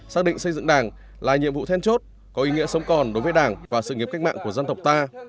xác định xây dựng đảng là nhiệm vụ then chốt có ý nghĩa sống còn đối với đảng và sự nghiệp cách mạng của dân tộc ta